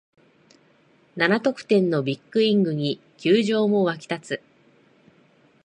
七得点のビッグイニングに球場も沸き立つ